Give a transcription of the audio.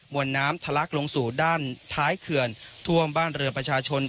วนน้ำทะลักลงสู่ด้านท้ายเขื่อนท่วมบ้านเรือประชาชน